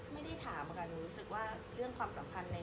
ไม่ได้ถามค่ะหนูรู้สึกว่าเรื่องความสัมพันธ์